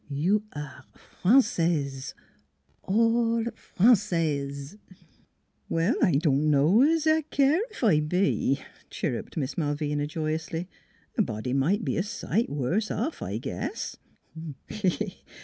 You aire Francaise all Frangaise! "" Well, I don' know es I care ef I be !" chir ruped Miss Malvina joyously. " A body might be a sight worse off, I guess.